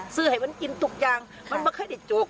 ให้มันกินทุกอย่างมันไม่ค่อยได้จก